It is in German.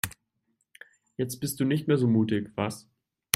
Jetzt bist du nicht mehr so mutig, was?